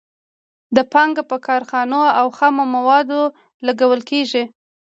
دا پانګه په کارخانو او خامو موادو لګول کېږي